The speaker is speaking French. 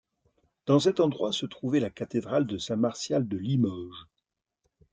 Dans cet endroit se trouvait la cathédrale de Saint Martial de Limoges.